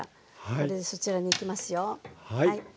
これでそちらにいきますよ。